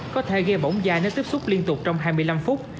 có thể gây bỏng da nếu tiếp xúc liên tục trong hai mươi năm phút